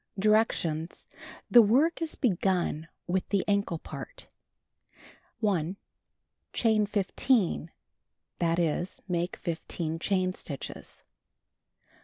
Directions : The work is begun with the ankle part. 1. Chain 15; that is, make 15 chain stitches.